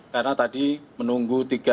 karena tadi menunggu tiga